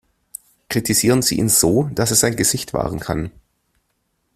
Kritisieren Sie ihn so, dass er sein Gesicht wahren kann.